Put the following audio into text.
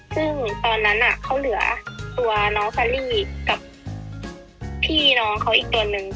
ซึ่งตอนนั้นเขาเหลือตัวน้องซารี่กับพี่น้องเขาอีกตัวนึง